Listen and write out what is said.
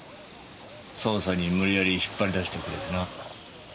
捜査に無理やり引っ張り出してくれてな。